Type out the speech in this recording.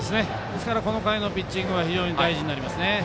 この回のピッチングは非常に大事になります。